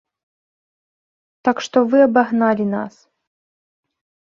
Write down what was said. Так што вы абагналі нас.